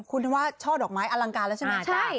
คุณว่าช่อดอกไม้อลังการแล้วใช่ไหม